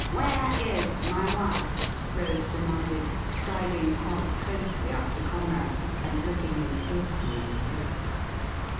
'Where is my wife.?' Rose demanded, striding quite closely up to Conrad, and looking him fiercely in the face.